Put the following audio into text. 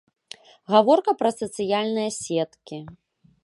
Гаворка пра сацыяльныя сеткі.